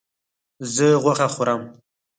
زه غوښه خورم